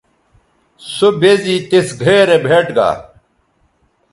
سو بے زی تِس گھئے رے بھئیٹ گا